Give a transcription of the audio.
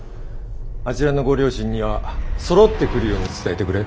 あちらのご両親にはそろって来るように伝えてくれ。